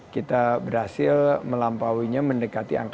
kita berhasil melampauinya mendekati angka tujuh ratus tiga